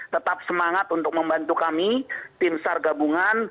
tetap semangat untuk membantu kami tim sar gabungan